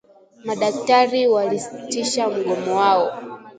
Madaktari walisitisha mgomo wao